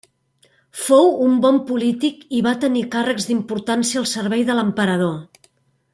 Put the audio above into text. Fou un bon polític i va tenir càrrecs d'importància al servei de l'emperador.